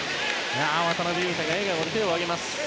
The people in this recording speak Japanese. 渡邊雄太が笑顔で手を上げました。